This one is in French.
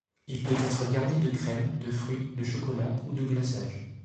Il peut être garni de crème, de fruits, de chocolat ou de glaçage.